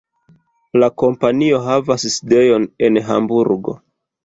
La kompanio havas sidejon en Hamburgo.